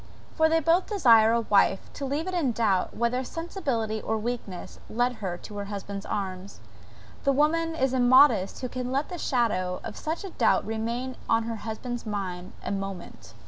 for they both desire a wife to leave it in doubt, whether sensibility or weakness led her to her husband's arms. The woman is immodest who can let the shadow of such a doubt remain on her husband's mind a moment.